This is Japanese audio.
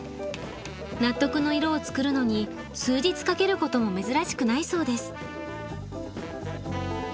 納得の色を作るのに数日かけることも珍しくないそうです。